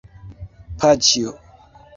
Paĉjo!